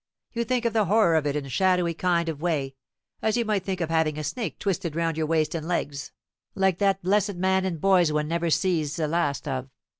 You think of the horror of it in a shadowy kind of way, as you might think of having a snake twisted round your waist and legs, like that blessed man and boys one never sees the last of.